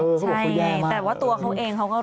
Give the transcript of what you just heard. ใช่แต่ว่าตัวเขาเองเขาก็รู้สึกอยู่